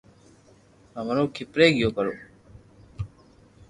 ڀمرو کپرو گيو پرو